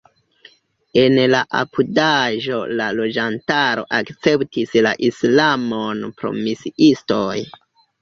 En la apudaĵo la loĝantaro akceptis la islamon pro misiistoj.